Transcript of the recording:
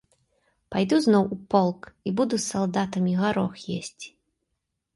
Пайду зноў у полк і буду з салдатамі гарох есці.